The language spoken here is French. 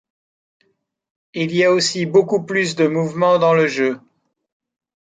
Il y a aussi beaucoup plus de mouvement dans le jeu.